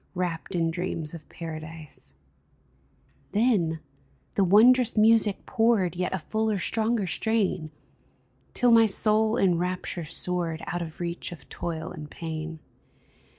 Wrapped in dreams of Paradise ! Then the wondrous music poured Yet a fuller, stronger strain, Till my soul in rapture soared Out of reach of toil and pain